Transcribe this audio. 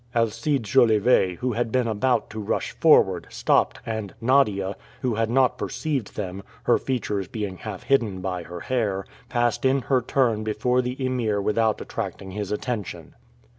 Alcide Jolivet, who had been about to rush forward, stopped, and Nadia who had not perceived them, her features being half hidden by her hair passed in her turn before the Emir without attracting his attention.